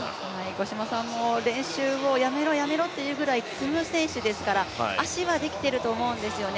五島さんも、練習をやめろ、やめろというぐらい積む選手ですから足はできていると思うんですよね。